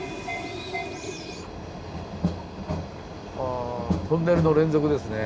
あトンネルの連続ですね。